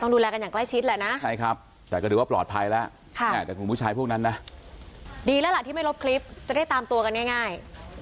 หนูก็นอนค่ะหนูนอนแล้วพี่ก็มารับกับเมืองเลย